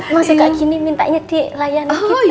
mas juga gini mintanya di layan gitu tempat anaknya